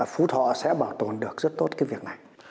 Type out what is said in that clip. phú thọ sẽ bảo tồn được rất tốt cái việc này